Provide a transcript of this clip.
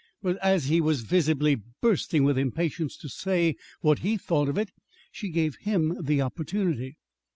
But, as he was visibly bursting with impatience to say what he thought of it, she gave him the opportunity.